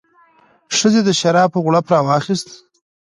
ښځې د شرابو غوړپ راواخیست.